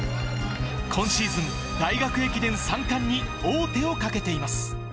今シーズン、大学駅伝三冠に王手をかけています。